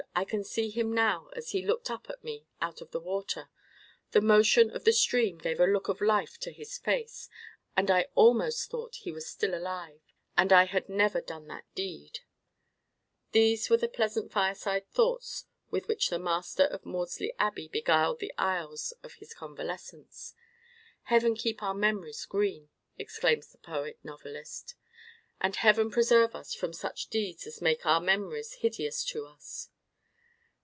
I can see him now as he looked up at me out of the water. The motion of the stream gave a look of life to his face, and I almost thought he was still alive, and I had never done that deed." These were the pleasant fireside thoughts with which the master of Maudesley Abbey beguiled the hours of his convalescence. Heaven keep our memories green! exclaims the poet novelist; and Heaven preserve us from such deeds as make our memories hideous to us!